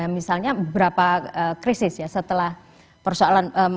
misalnya beberapa krisis ya setelah persoalan